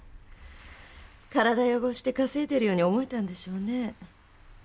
体汚して稼いでるように思えたんでしょうね。